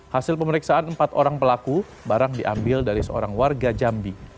hasil pemeriksaan empat orang pelaku barang diambil dari seorang warga jambi